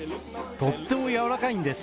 とっても柔らかいんです。